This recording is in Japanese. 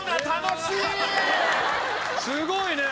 すごいね！